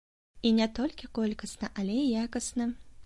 І не толькі колькасна, але і якасна.